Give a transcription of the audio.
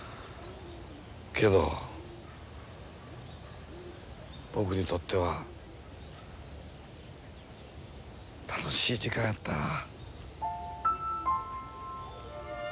けど僕にとっては楽しい時間やった。